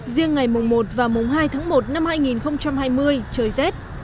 riêng ngày mùng một và mùng hai tháng một năm hai nghìn hai mươi trời rét